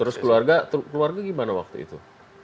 terus keluarga keluarga gimana waktu itu